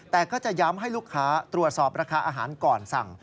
แต่ก็จะย้ำให้ลูกค้าตรวจสอบราคาอาหารก่อนสั่ง